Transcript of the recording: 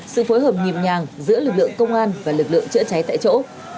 sự phối hợp nhịp nhàng giữa lực lượng công an và lực lượng chữa cháy tại chỗ